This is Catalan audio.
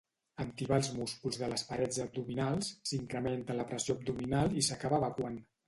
En tibar els músculs de les parets abdominals, s'incrementa la pressió abdominal i s'acaba evacuant.